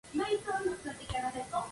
Lleida y Orihuela.